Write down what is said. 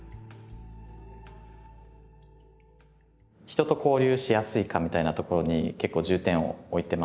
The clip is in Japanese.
人と交流しやすいかみたいなところに結構重点を置いてまして。